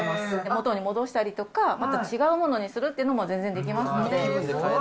元に戻したりとか、あと違うものにするっていうのも全然できますので。